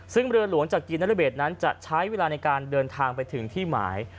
ซึ่งเรือหลวงจักรีนรเบศนั้นจะใช้เวลาในการเดินทางไปถึงที่หมาย